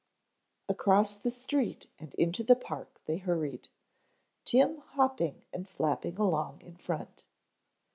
Across the street and into the park they hurried, Tim hopping and flapping along in front.